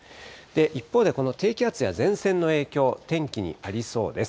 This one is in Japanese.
一方で、この低気圧や前線の影響、天気にありそうです。